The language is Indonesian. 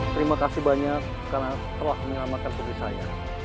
terima kasih banyak karena telah menyelamatkan putri saya